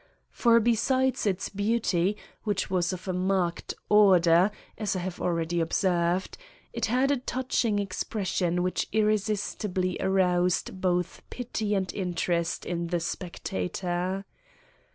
For besides its beauty, which was of a marked order, as I have already observed, it had a touching expression which irresistibly aroused both pity and interest in the spectator.